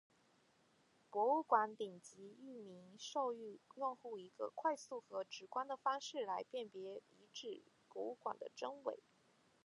博物馆顶级域名授予用户一个快速和直观的方式来辨别遗址博物馆的真伪。